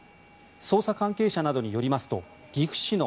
捜査関係者などによりますと岐阜市の